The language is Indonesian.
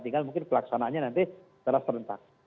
tinggal mungkin pelaksanaannya nanti terasa rentak